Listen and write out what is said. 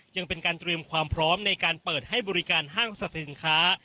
ยังเป็นการเตรียมความพร้อมในการเปิดให้บริการห้างสรรพสินค้า